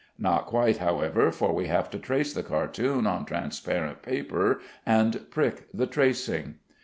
Not quite, however, for we have to trace the cartoon on transparent paper, and prick the tracing.